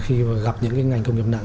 khi gặp những cái ngành công nghiệp nặng